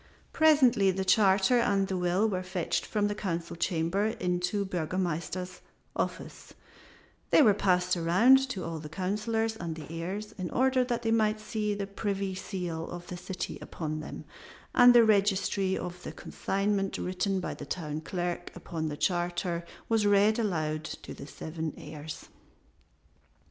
Presently the charter and the will were fetched from the Council chamber into the Burgomaster's office, they were passed around to all the Councilors and the heirs, in order that they might see the privy seal of the city upon them, and the registry of the consignment written by the town clerk upon the charter was read aloud to the seven heirs.